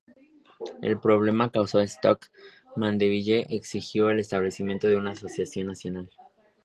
El problema causado Stoke Mandeville exigió el establecimiento de una asociación nacional.